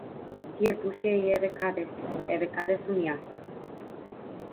Тие пушеа и еве каде се, еве каде сум јас.